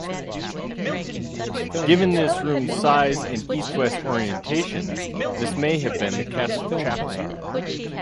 Given this room's size and east-west orientation, this may have been the castle chapel.